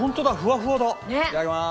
いただきます。